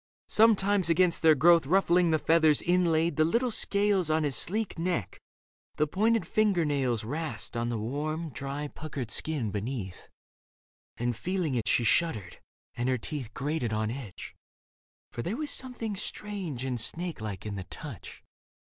Sometimes against their growth Ruffling the feathers inlaid like little scales On his sleek neck, the pointed finger nails Rasped on the warm, dry, puckered skin beneath ; And feeling it she shuddered, and her teeth Grated on edge ; for there was something strange And snake like in the touch.